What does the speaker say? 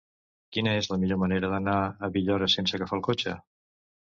Quina és la millor manera d'anar a Villores sense agafar el cotxe?